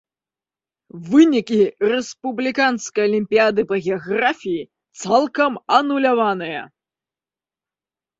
Вынікі рэспубліканскай алімпіяды па геаграфіі цалкам ануляваныя.